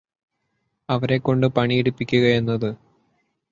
അവരെക്കൊണ്ട് പണിയെടുപ്പിക്കുകയെന്നത്